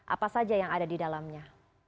apa saja yang ada di dalamnya